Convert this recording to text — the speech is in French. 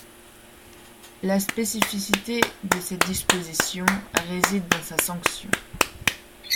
La spécificité de cette disposition réside dans sa sanction.